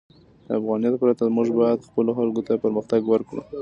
د افغانیت پرته، موږ باید خپلو خلکو ته پرمختګ ورکړو.